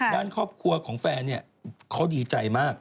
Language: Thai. ด้านครอบครัวของแฟนเนี่ยเขาดีใจมาก